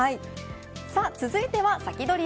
さあ続いてはサキドリ！